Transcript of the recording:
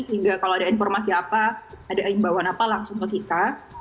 sehingga kalau ada informasi apa ada imbauan apa langsung ke kita